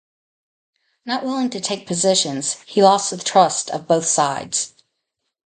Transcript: Not willing to take positions, he lost the trust of both sides.